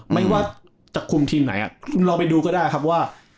ไม่ว่าจะคุมทีมไหนคุณลองไปดูก็ได้ครับว่า